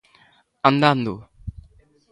Andando.